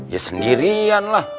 ya sendirian lah